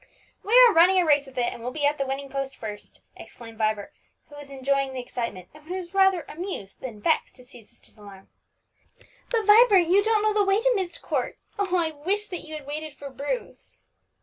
"We are running a race with it, and we'll be at the winning post first!" exclaimed Vibert, who was enjoying the excitement, and who was rather amused than vexed to see his sister's alarm. "But, Vibert, you don't even know the way to Myst Court! Oh, I wish that you had waited for Bruce!"